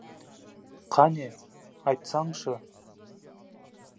Қане, айтсаңшы.